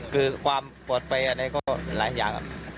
คือความปลอดภัยอะไรก็หลายอย่าง